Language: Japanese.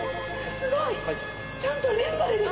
すごい！